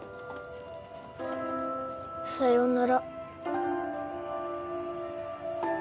さようなら。